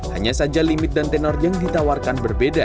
hanya saja limit dan tenor yang ditawarkan berbeda